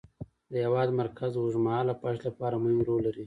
د هېواد مرکز د اوږدمهاله پایښت لپاره مهم رول لري.